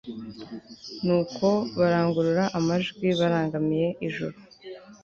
nuko barangurura amajwi barangamiye ijuru